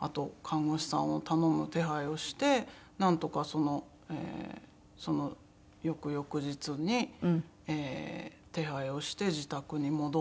あと看護師さんを頼む手配をしてなんとかその翌々日に手配をして自宅に戻って。